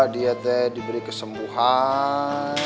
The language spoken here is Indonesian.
dia diberi kesembuhan